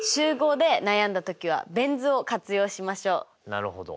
なるほど！